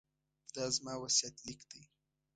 دا زما وصیت لیک دی.